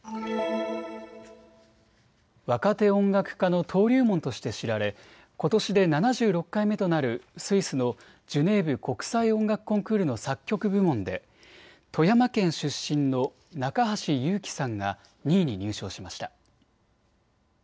若手音楽家の登竜門として知られことしで７６回目となるスイスのジュネーブ国際音楽コンクールの作曲部門で富山県出身の中橋祐紀さんが２位に入賞しました。